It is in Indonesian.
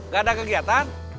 gak ada kegiatan